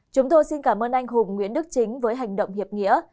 chúng tôi xin cảm ơn anh hùng nguyễn đức chính với hành động hiệp nghĩa